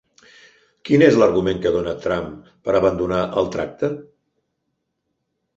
Quin és l'argument que dona Trump per abandonar el tracte?